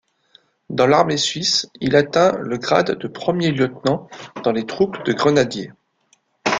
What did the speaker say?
Dans l'armée suisse, il atteint le grade de premier-lieutenant dans les troupes de grenadiers.